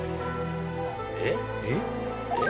えっ？